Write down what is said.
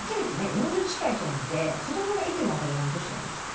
４０近い人なんて子どもがいても当たり前の年じゃないですか。